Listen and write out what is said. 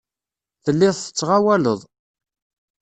Telliḍ tettɣawaleḍ.